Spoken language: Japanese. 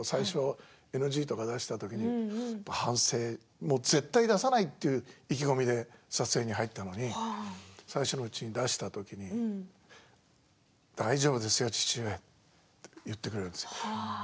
ＮＧとか出したときに反省絶対に出さないという意気込みで撮影に入ったのに最初のうちに出したときに大丈夫ですよ、父上と言ってくれるんです。